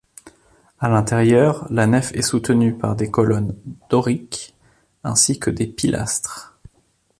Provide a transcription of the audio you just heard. À l'intérieur, la nef est soutenue par des colonnes doriques ainsi que des pilastres.